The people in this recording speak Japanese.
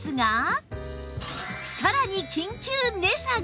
さらに緊急値下げ！